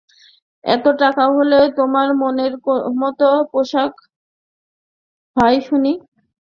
কত টাকা হলে তোমার মনের মতো পোশাক হয় শুনি।